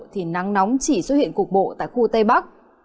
thì nắng nóng chỉ xuất hiện cục bộ tại khu tây bắc